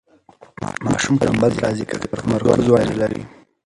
ماشوم ټنبل راځي که تمرکز ونلري.